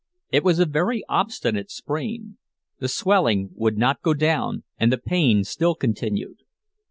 It was a very obstinate sprain; the swelling would not go down, and the pain still continued.